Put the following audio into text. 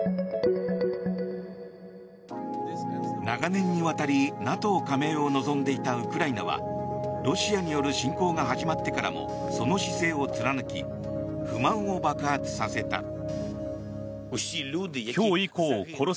長年にわたり、ＮＡＴＯ加盟を望んでいたウクライナはロシアによる侵攻が始まってからその姿勢を貫き不満を爆発させた。